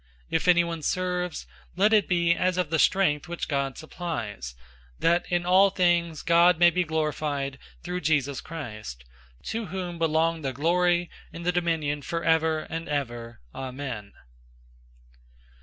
If anyone serves, let it be as of the strength which God supplies, that in all things God may be glorified through Jesus Christ, to whom belong the glory and the dominion forever and ever. Amen.